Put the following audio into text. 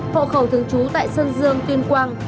hộ khẩu thường trú tại sơn dương tuyên quang